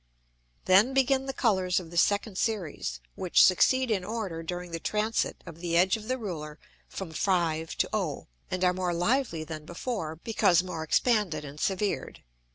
Then begin the Colours of the second Series, which succeed in order during the transit of the edge of the Ruler from 5 to O, and are more lively than before, because more expanded and severed.